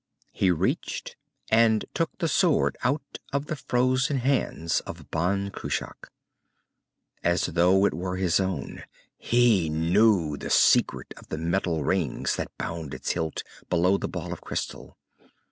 He reached and took the sword, out of the frozen hands of Ban Cruach. As though it were his own, he knew the secret of the metal rings that bound its hilt, below the ball of crystal.